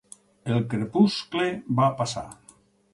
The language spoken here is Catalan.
El crepuscle va passar.